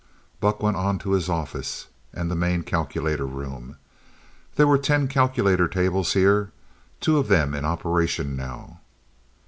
Buck went on to his offices, and the main calculator room. There were ten calculator tables here, two of them in operation now.